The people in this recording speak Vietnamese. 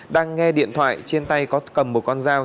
đang nghe điện thoại trên tay có cầm một con dao